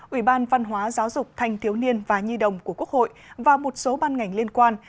ủy ban văn hóa giáo dục thanh thiếu niên và nhi đồng của quốc hội và một số ban ngành liên quan